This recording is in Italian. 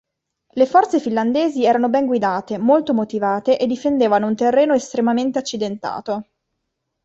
Le forze finlandesi erano ben guidate, molto motivate e difendevano un terreno estremamente accidentato.